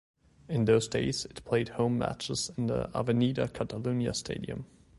In those days, it played home matches in the "Avenida Catalunya" stadium.